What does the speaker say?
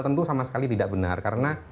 tentu sama sekali tidak benar karena